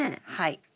はい。